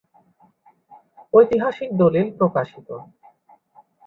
ঐতিহাসিক দলিল, প্রকাশিত...